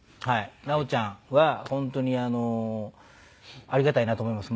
直ちゃんは本当にあのありがたいなと思います。